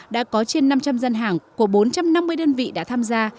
đã có trên năm trăm linh dân hàng của bốn trăm năm mươi đơn vị đã tham gia